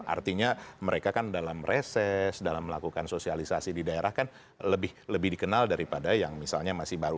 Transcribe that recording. artinya mereka kan dalam reses dalam melakukan sosialisasi di daerah kan lebih dikenal daripada yang misalnya masih baru